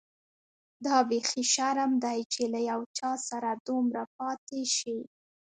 دا بيخي شرم دی چي له یو چا سره دومره پاتې شې.